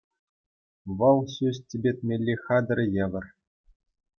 Вӑл ҫӳҫ типӗтмелли хатӗре евӗр.